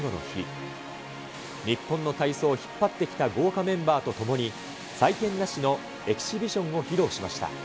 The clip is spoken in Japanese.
日本の体操を引っ張ってきた豪華メンバーと共に、採点なしのエキシビションを披露しました。